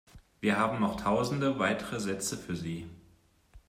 Wir haben noch tausende weitere Sätze für Sie.